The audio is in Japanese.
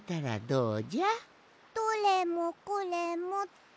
どれもこれもって？